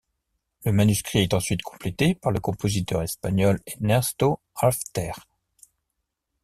Le manuscrit est ensuite complété par le compositeur espagnol Ernesto Halffter.